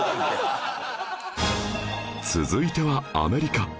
続いてはアメリカ